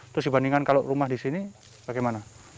terus dibandingkan kalau rumah di sini bagaimana